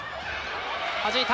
はじいた！